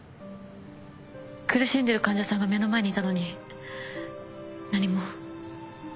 苦しんでる患者さんが目の前にいたのに何も。